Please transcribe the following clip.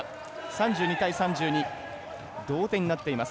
３２対３２、同点になっています。